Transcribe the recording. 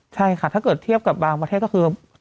ใช่ค่ะถ้าเกิดเทียบกับบางประเทศก็คือ